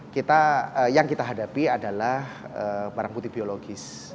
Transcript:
kita yang kita hadapi adalah barang putih biologis